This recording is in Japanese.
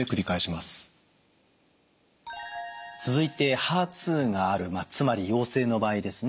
続いてＨＥＲ２があるつまり陽性の場合ですね